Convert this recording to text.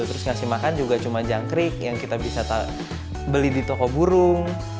terus ngasih makan juga cuma jangkrik yang kita bisa beli di toko burung